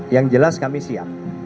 yang jelas kami siap